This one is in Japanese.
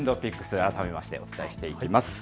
改めてお伝えしていきます。